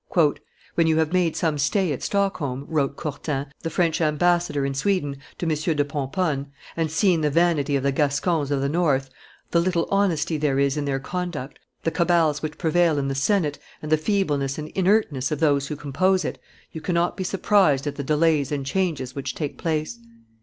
"When you have made some stay at Stockholm," wrote Courtin, the French ambassador in Sweden, to M. do Pomponne, "and seen the vanity of the Gascons of the North, the little honesty there is in their conduct, the cabals which prevail in the Senate, and the feebleness and inertness of those who compose it, you cannot be surprised at the delays and changes which take place.